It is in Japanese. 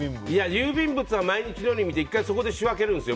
郵便物は毎日のように見て１回、そこで仕分けるんです。